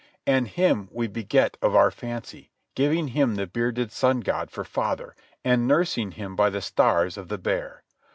And him we begat of our fancy, giving him the bearded sun god for father, and nursing him by the stars of the bear.